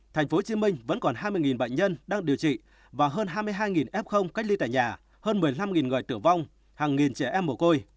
thành phố hồ chí minh vẫn còn hai mươi bệnh nhân đang điều trị và hơn hai mươi hai f cách ly tại nhà hơn một mươi năm người tử vong hàng nghìn trẻ em mổ côi